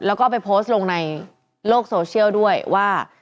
แล้วก็ไปโพสต์ลงในโลกโซเชียลด้วยว่า